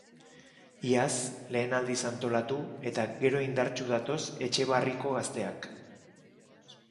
Iaz lehen aldiz antolatu eta gero indartsu datoz Etxebarriko gazteak.